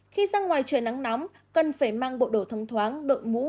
khi ra ngoài trời nắng nóng cần phải mang bộ đồ thông thoáng đội mũ